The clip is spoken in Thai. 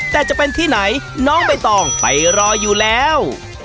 แต่จะเป็นที่ไหนน้องใบตองไปรออยู่แล้ว